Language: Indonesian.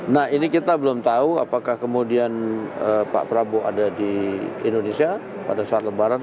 nah ini kita belum tahu apakah kemudian pak prabowo ada di indonesia pada saat lebaran